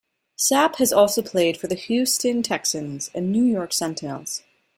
Sapp has also played for the Houston Texans and New York Sentinels.